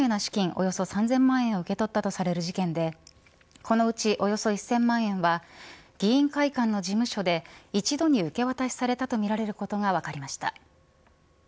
およそ３０００万円を受け取ったされる事件でこのうちおよそ１０００万円は議員会館の事務所で一度に受け渡しされたとみられることが分かりました。